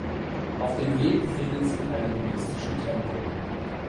Auf dem Weg finden sie einen buddhistischen Tempel.